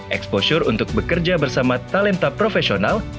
exposure untuk bekerja bersama talenta profesional